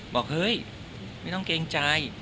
บอกเฮ้ยไม่ต้องเกรงใจ